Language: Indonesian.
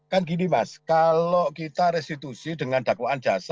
kan gini mas kalau kita restitusi dengan dakwaan jasa